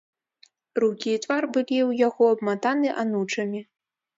Рукі і твар былі ў яго абматаны анучамі.